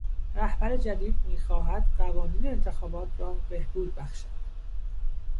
رهبر جدید میخواهد قوانین انتخابات را بهبود بخشد.